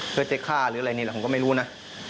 เพื่อจะฆ่าหรืออะไรนี่แหละผมก็ไม่รู้นะ